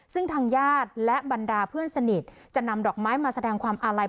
ซึ่งทางญาติและบรรดาเพื่อนสนิทจะนำดอกไม้มาแสดงความอาลัย